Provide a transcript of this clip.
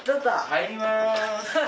入ります！